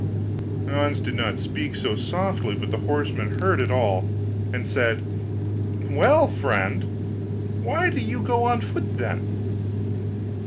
Hans did not speak so softly but the horseman heard it all, and said, 'Well, friend, why do you go on foot then?